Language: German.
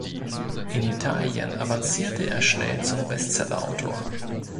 In Italien avancierte er schnell zum Bestsellerautor.